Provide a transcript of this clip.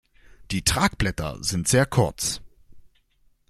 Die Tragblätter sind sehr kurz.